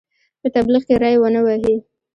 په تبلیغ کې ری ونه وهي.